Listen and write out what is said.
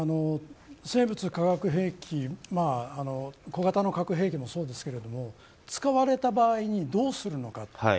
生物・化学兵器小型の核兵器もそうですけど使われた場合にどうするのか。